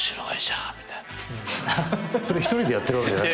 それ１人でやってるわけじゃない。